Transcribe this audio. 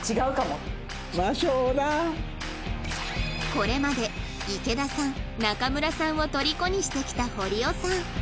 これまで池田さん中村さんをとりこにしてきた堀尾さん